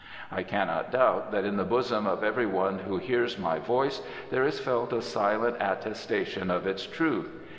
I cannot doubt that in the bosom of everyone who hears my voice there is felt a silent attestation of its truth.